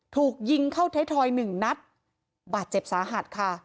ถูกยิงเข้าไทยทอยหนึ่งนัดบาดเจ็บสาหัสค่ะ